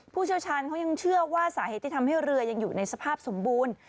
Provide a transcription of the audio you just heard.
เชี่ยวชาญเขายังเชื่อว่าสาเหตุที่ทำให้เรือยังอยู่ในสภาพสมบูรณ์